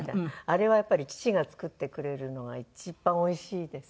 あれはやっぱり父が作ってくれるのが一番おいしいですね。